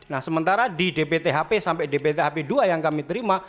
nah sementara di dpthp sampai dpthp dua yang kami terima